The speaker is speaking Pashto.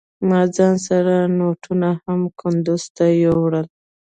ما ځان سره نوټونه هم کندوز ته يوړل.